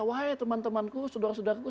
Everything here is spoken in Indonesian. wahai teman temanku saudara saudaraku